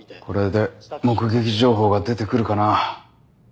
これで目撃情報が出てくるかな。